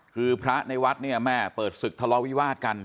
คือพระในวัดเนี่ยแม่เปิดศึกทะเลาวิวาสกัน